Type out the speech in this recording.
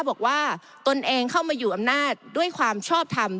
ตนเองเข้ามาอยู่อำนาจด้วยความชอบทำ